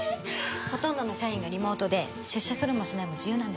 ほとんどの社員がリモートで出社するもしないも自由なんです。